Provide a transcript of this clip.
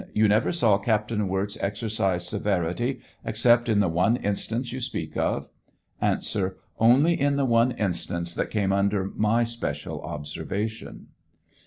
You never saw Captain Wirz exercise severity except in the one instance you speak of? A. Only in the one instance that came under my special observation.